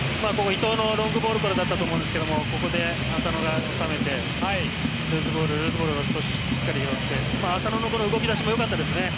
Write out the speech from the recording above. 伊藤のロングボールからだったと思うんですけど浅野が納めて、ルーズボールをしっかり拾って浅野の動き出しも良かったです。